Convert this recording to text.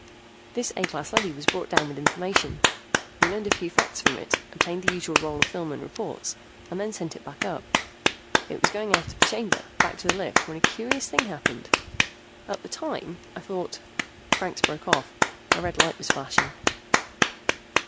"This A class leady was brought down with information. We learned a few facts from it, obtained the usual roll of film and reports, and then sent it back up. It was going out of the chamber, back to the lift, when a curious thing happened. At the time, I thought " Franks broke off. A red light was flashing.